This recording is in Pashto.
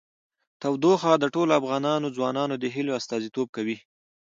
تودوخه د ټولو افغان ځوانانو د هیلو استازیتوب کوي.